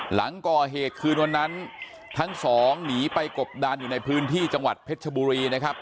หลังก่อเหตุคืนวันนั้นทั้งสองหนีไปกบดานอยู่ในพื้นที่จังหวัดเพชรชบุรีนะครับ